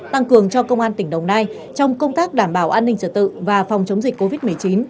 tăng cường cho công an tỉnh đồng nai trong công tác đảm bảo an ninh trật tự và phòng chống dịch covid một mươi chín